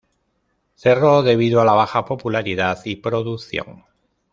Cerró debido a la baja popularidad y producción.